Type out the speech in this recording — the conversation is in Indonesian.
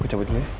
gue cabut dulu ya